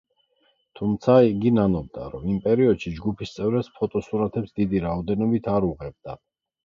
თუმცა, იგი ნანობდა, რომ იმ პერიოდში ჯგუფის წევრებს ფოტოსურათებს დიდი რაოდენობით არ უღებდა.